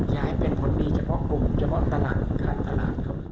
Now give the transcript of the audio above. อยากให้เป็นผลดีเฉพาะกลุ่มเฉพาะตลาดขั้นตลาดเข้า